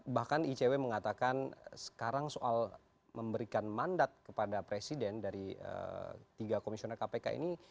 bahkan icw mengatakan sekarang soal memberikan mandat kepada presiden dari tiga komisioner kpk ini